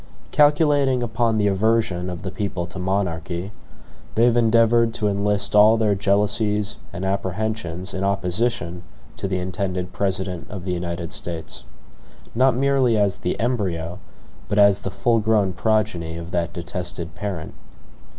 Calculating upon the aversion of the people to monarchy, they have endeavored to enlist all their jealousies and apprehensions in opposition to the intended President of the United States; not merely as the embryo, but as the full grown progeny, of that detested parent.